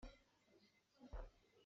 Miṭha nih cun midang an hrem hna lo.